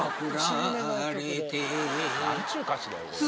何ちゅう歌詞だよこれ。